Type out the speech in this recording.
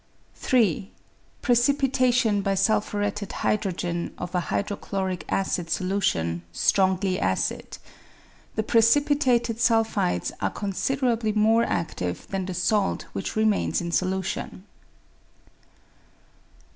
3. Precipitation by sulphuretted hydrogen of a hydro chloric acid solution, strongly acid ; the precipitated sul phides are considerably more adive than the salt which re mains in solution.